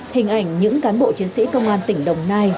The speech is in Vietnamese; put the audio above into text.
hình ảnh những cán bộ chiến sĩ công an tỉnh đồng nai